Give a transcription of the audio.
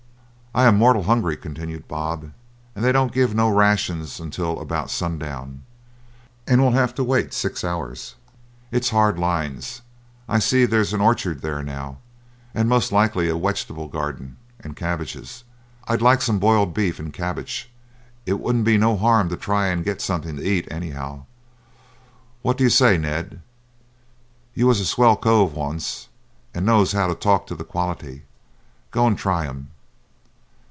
"I am mortal hungry," continued Bob, "and they don't give no rations until about sundown, and we'll have to wait six hours. It's hard lines. I see there's an orchard there now, and most likely a wegtable garden and cabbages. I'd like some boiled beef and cabbage. It wouldn't be no harm to try and get somethin' to eat, anyhow. What do you say, Ned? You was a swell cove once, and knows how to talk to the quality. Go and try 'em."